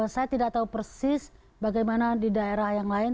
saya tidak tahu persis bagaimana di daerah yang lain